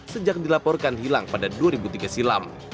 sejak dilaporkan hilang pada dua ribu tiga silam